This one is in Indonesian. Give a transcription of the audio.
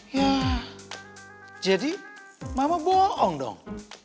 ya jadi mama bohong dong